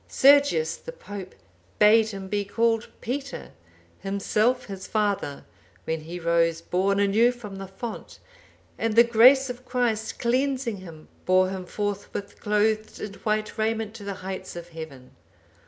Sergius the Pope bade him be called Peter, himself his father,(799) when he rose born anew from the font, and the grace of Christ, cleansing him, bore him forthwith clothed in white raiment to the heights of Heaven.